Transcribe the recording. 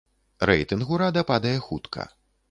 Рэйтынг урада падае хутка.